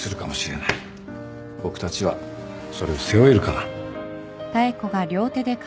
僕たちはそれを背負えるかな？